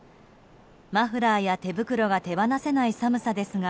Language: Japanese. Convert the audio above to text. マフラーや手袋が手放せない寒さですが